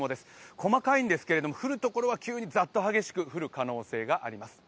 細かいんですが、降るところは急にザッと激しく降る可能性があります。